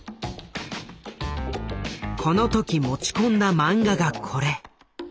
この時持ち込んだ漫画がこれ。